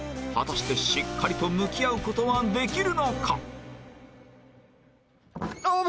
果たしてしっかりと向き合う事はできるのか？